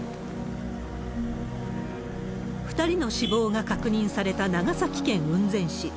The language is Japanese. ２人の死亡が確認された長崎県雲仙市。